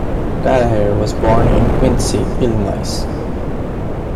Gallaher was born in Quincy, Illinois.